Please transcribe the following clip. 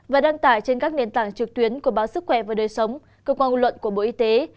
và đăng tải trên các nền tảng trực tuyến của báo sức khỏe và đời sống cơ quan ngôn luận của bộ y tế